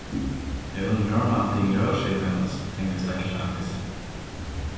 ”Jag undrar om allting rör sig med oss?” tänkte stackars Alice.